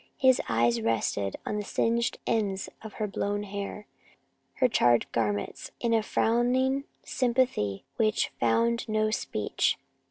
His eyes rested on the singed ends of her blown hair, her charred garments, in a frowning sympathy which found no speech.